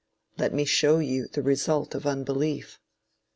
Let me show you the result of unbelief.